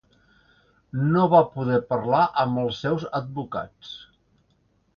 No va poder parlar amb els seus advocats.